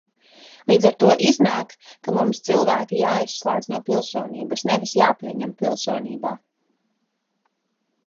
Līdz ar to iznāk, ka mums cilvēki jāizslēdz no pilsonības, nevis jāpieņem pilsonībā.